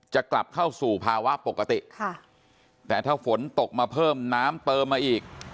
จะกลับเข้าสู่ภาวะปกติค่ะแต่ถ้าฝนตกมาเพิ่มน้ำเติมมาอีก